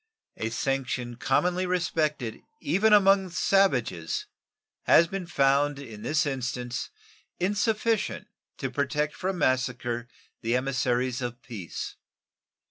A sanction commonly respected even among savages has been found in this instance insufficient to protect from massacre the emissaries of peace.